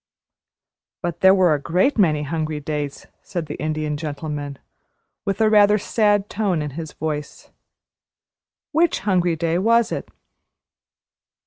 "But there were a great many hungry days," said the Indian Gentleman, with a rather sad tone in his voice. "Which hungry day was it?"